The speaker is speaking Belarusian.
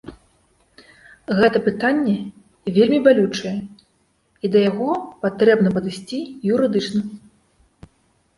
Гэта пытанне вельмі балючае, і да яго патрэбна падысці юрыдычна.